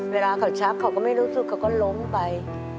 เวลาเขาชักเขาก็ไม่รู้สึกเขาก็ล้มไป